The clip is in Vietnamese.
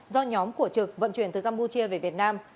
do nhóm của trực vận chuyển từ campuchia về việt nam